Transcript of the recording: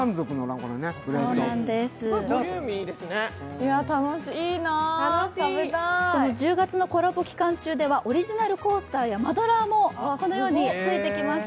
１０月のオリジナルコラボ期間中では、オリジナルコースターやマドラーもこのように付いてきます。